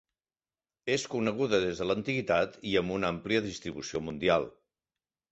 És coneguda des de l'antiguitat i amb una àmplia distribució mundial.